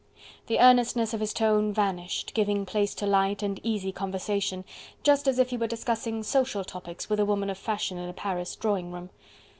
The earnestness of his tone vanished, giving place to light and easy conversation, just as if he were discussing social topics with a woman of fashion in a Paris drawing room.